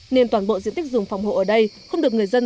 nên toàn bộ diện tích rừng phòng hộ ở đây không được người dân